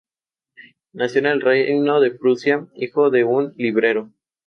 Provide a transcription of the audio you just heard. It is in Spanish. Nacido en el Reino de Prusia, hijo de un librero.